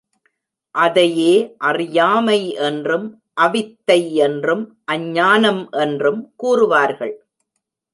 அதையே அறியாமை என்றும் அவித்தை என்றும் அஞ்ஞானம் என்றும் கூறுவாாகள.